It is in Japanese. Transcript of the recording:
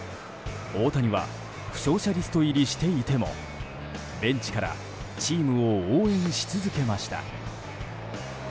大谷は負傷者リスト入りしていてもベンチからチームを応援し続けました。